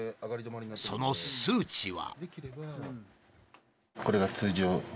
その数値は。